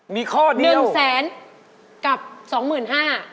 มีข้อเดียว๑แสนกับสองหมื่นห้า